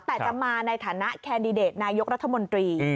แต่จะมาในฐานะแคนดิเดตนายกรัฐมนตรี